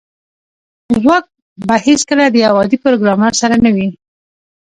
ځواک به هیڅکله د یو عادي پروګرامر سره نه وي